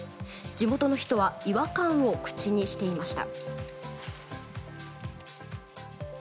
地元の人は違和感を口にしていました。